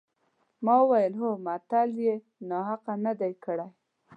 ما وویل هغه متل یې ناحقه نه دی کړی.